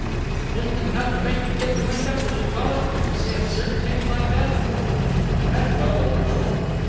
"Isn't it enough to make me get the wind up, as you call it, when you say absurd things like that?" "I meant well, old girl!"